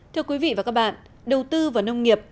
thưa quý vị và các bạn đầu tư vào nông nghiệp